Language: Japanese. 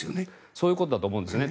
そういうことだと思いますね。